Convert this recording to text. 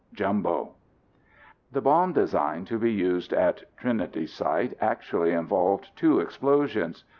Jumbo The bomb design to be used at Trinity Site actually involved two explosions.